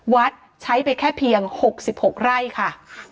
วัดใช้ไปแค่เพียง๖๖ไร่ค่ะ